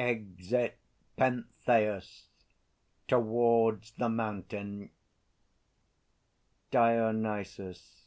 [Exit PENTHEUS towards the Mountain. DIONYSUS.